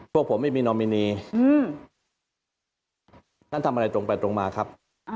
พวกผมไม่มีนอมินีท่านทำอะไรตรงไปตรงมาครับ